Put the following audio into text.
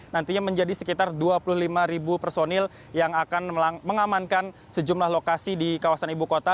nantinya menjadi sekitar dua puluh lima ribu personil yang akan mengamankan sejumlah lokasi di kawasan ibu kota